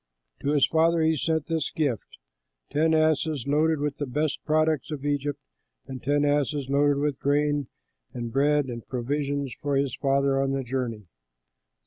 To his father he sent this gift: ten asses loaded with the best products of Egypt and ten asses loaded with grain and bread and provisions for his father on the journey.